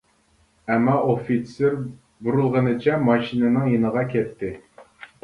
ئەمما ئوفىتسېر بۇرۇلغىنىچە ماشىنىنىڭ يېنىغا كەتتى.